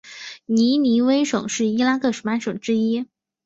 尼尼微省是伊拉克十八省之一。